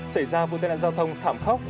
xảy ra vụ tai nạn giao thông thảm khốc